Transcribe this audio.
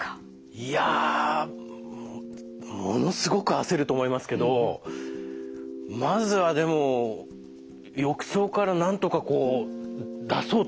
いやものすごく焦ると思いますけどまずはでも浴槽からなんとかこう出そうとするかな。